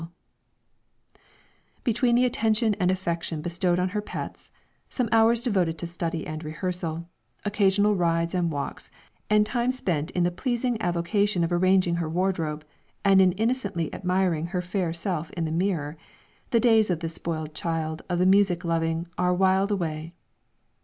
Between the attention and affection bestowed on her pets, some hours devoted to study and rehearsal, occasional rides and walks, and time spent in the pleasing avocation of arranging her wardrobe, and in innocently admiring her fair self in the mirror, the days of this spoiled child of the music loving are whiled away.